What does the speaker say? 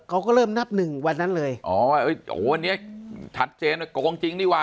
เขาก็เริ่มนับหนึ่งวันนั้นเลยอ๋อวันนี้ชัดเจนว่าโกงจริงดีกว่า